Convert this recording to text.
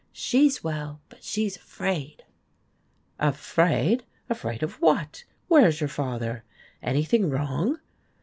She 's well ; but she 's afraid ! "Afraid? Afraid of what? Where is your father? Anything wrong